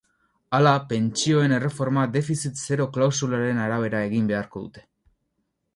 Hala, pentsioen erreforma defizit zero klausularen arabera egin beharko dute.